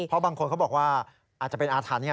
เพราะบางคนเขาบอกว่าอาจจะเป็นอาถรรพ์